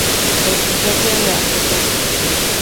Es propia de África.